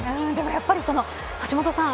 やっぱり橋下さん